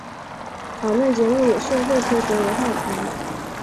讨论节目以社会科学为话题。